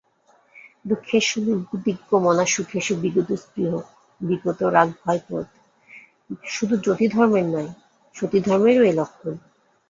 দুঃখেষ্বনুদ্বিগ্নমনা সুখেষু বিগতস্পৃহঃ বীতরাগভয়ক্রোধঃ– শুধু যতিধর্মের নয়, সতীধর্মেরও এই লক্ষণ।